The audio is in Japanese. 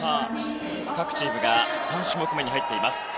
各チームが３種目めに入っています。